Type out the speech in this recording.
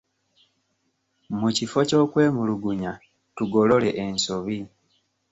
Mu kifo ky'okwemulugunya, tugolole ensobi.